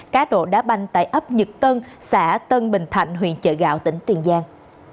cá độ đá banh tại ấp nhật tân xã tân bình thạnh huyện chợ gạo tỉnh tiền giang